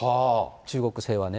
中国製はね。